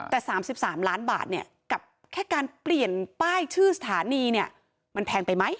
แต่๓๓ล้านบาทเนี่ยกับแค่การเปลี่ยนป้ายชื่อสถานีเนี่ยมันแพงไปไหม